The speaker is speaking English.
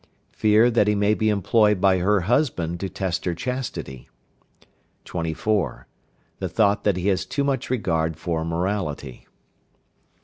Fear that he may be employed by her husband to test her chastity. 24. The thought that he has too much regard for morality.